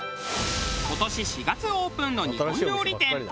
今年４月オープンの日本料理店。